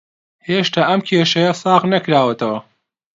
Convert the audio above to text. هێشتا ئەم کێشەیە ساغ نەکراوەتەوە